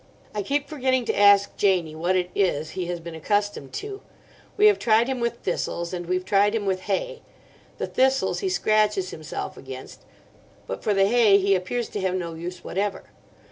"I keep forgetting to ask Janie what it is he has been accustomed to. We have tried him with thistles, and we've tried him with hay. The thistles he scratches himself against; but for the hay he appears to have no use whatever.